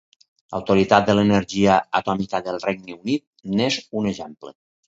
L'Autoritat de l'Energia Atòmica del Regne Unit n'és un exemple.